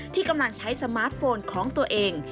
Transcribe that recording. ที่กำลังใช้สมาร์ทโฟนของตัวเอง